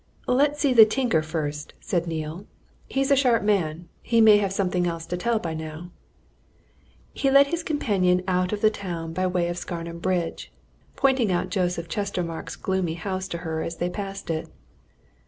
"Let's see the tinker first," said Neale. "He's a sharp man he may have something else to tell by now." He led his companion out of the town by way of Scarnham Bridge, pointing out Joseph Chestermarke's gloomy house to her as they passed it.